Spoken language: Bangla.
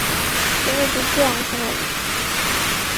তিনি যুদ্ধে অংশ নেন।